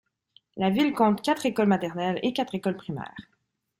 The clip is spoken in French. La ville compte quatre écoles maternelles et quatre écoles primaires.